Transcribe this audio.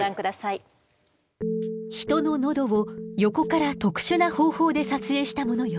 人の喉を横から特殊な方法で撮影したものよ。